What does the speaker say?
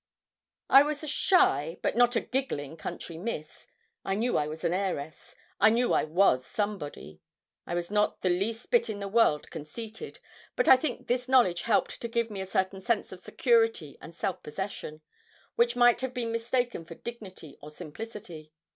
I was a shy, but not a giggling country miss. I knew I was an heiress; I knew I was somebody. I was not the least bit in the world conceited, but I think this knowledge helped to give me a certain sense of security and self possession, which might have been mistaken for dignity or simplicity.